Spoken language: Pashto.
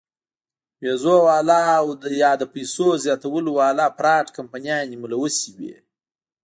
وېزو واله او يا د پېسو زياتولو واله فراډ کمپنيانې ملوثې وي -